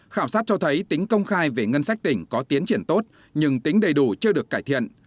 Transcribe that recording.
khảo sát cho thấy tính công khai về ngân sách tỉnh có tiến triển tốt nhưng tính đầy đủ chưa được cải thiện